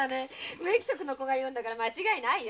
植木職の子が言うんだから間違いないよ。